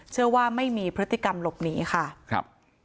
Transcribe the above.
เชื่อว่าไม่มีพฤติกรรมหลบหนีค่ะครับ